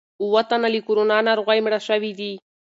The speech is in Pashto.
اووه تنه له کورونا ناروغۍ مړه شوي دي.